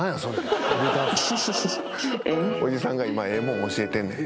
おじさんが今ええもん教えてんねん。